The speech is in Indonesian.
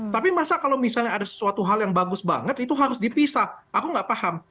tapi masa kalau misalnya ada sesuatu hal yang bagus banget itu harus dipisah aku nggak paham